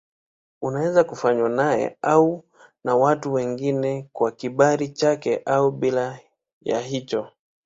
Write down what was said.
Unaweza kufanywa naye au na watu wengine kwa kibali chake au bila ya hicho.